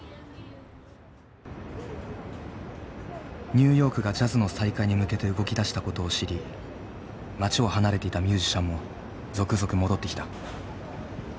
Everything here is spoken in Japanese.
ニューヨークがジャズの再開に向けて動き出したことを知り街を離れていたミュージシャンも続々戻ってきた。